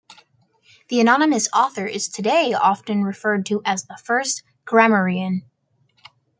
The anonymous author is today often referred to as the "First Grammarian".